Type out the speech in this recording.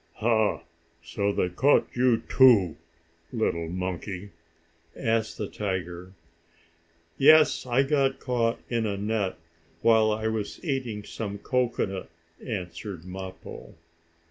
"Ha! So they caught you too, little monkey?" asked the tiger. "Yes, I got caught in a net, while I was eating some cocoanut," answered Mappo.